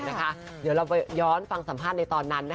เดี๋ยวเราย้อนฟังสัมภาษณ์ในตอนนั้น